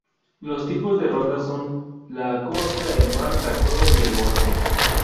Los tipos de rondas son: la costa, el mar, la cueva y el bosque.